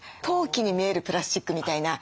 陶器に見えるプラスチックみたいな。